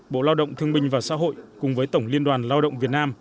bộ lao động thương minh và xã hội cùng với tổng liên đoàn lao động việt nam